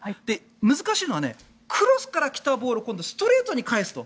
難しいのはクロスから来たボールを今度はストレートに返すと。